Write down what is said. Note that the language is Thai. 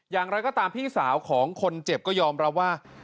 อย่างไรก็ตามพี่สาวของคนเจ็บก็ยอมรับว่า